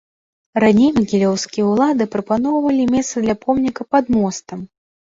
Раней магілёўскія ўлады прапаноўвалі месца для помніка пад мостам.